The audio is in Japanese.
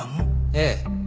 ええ。